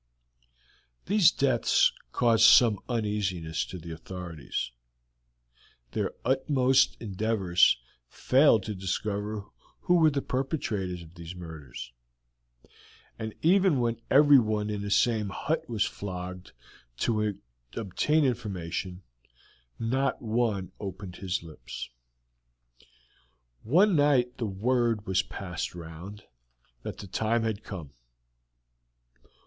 These deaths caused some uneasiness to the authorities. Their utmost endeavors failed to discover who were the perpetrators of these murders; and even when everyone in the same hut was flogged to obtain information, not one opened his lips. One night the word was passed round that the time had come.